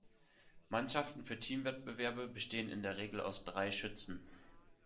Mannschaften für Teamwettbewerbe bestehen in der Regel aus drei Schützen.